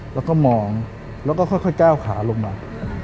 แล้วก็มองแล้วก็ค่อยก้าวขาลงมา